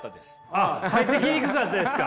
あっ入ってきにくかったですか？